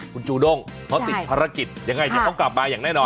คุณจูด้งเขาติดภารกิจยังไงเดี๋ยวเขากลับมาอย่างแน่นอน